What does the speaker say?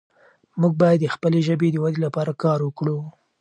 موږ باید د خپلې ژبې د ودې لپاره کار وکړو.